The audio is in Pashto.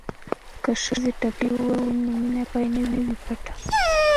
که ښځې ټپې ووايي نو مینه به نه وي پټه.